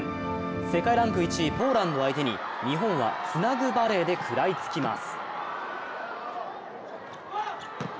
世界ランク１位ポーランドを相手に日本はつなぐバレーで食らいつきます。